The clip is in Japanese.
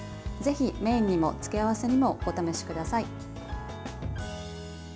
ぜひメインにも、付け合わせにもお試しください。